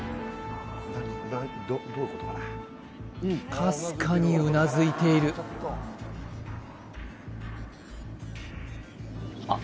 かすかにうなずいているあっ